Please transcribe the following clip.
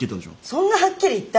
そんなはっきり言った？